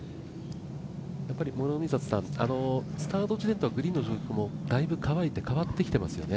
スタート地点とはグリーンの状態はだいぶ乾いて変わってきていますよね。